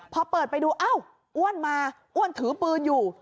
พอเปิดไปดูอ้าวอ้วนมาอ้วนถือปืนอยู่